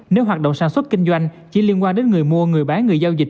nếu hoạt động sản xuất kinh doanh chỉ liên quan đến người mua người bán người giao dịch